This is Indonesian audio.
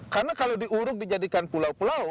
karena kalau diuruk dijadikan pulau pulau